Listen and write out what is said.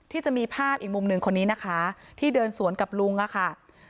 ที่จะมีภาพอีกมุมหนึ่งคนนี้นะคะที่เดินสวนกับลุงอะค่ะ